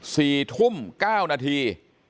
สี่ทุ่ม๙นาที